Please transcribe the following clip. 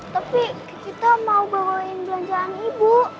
tapi kita mau bawain belanjaan ibu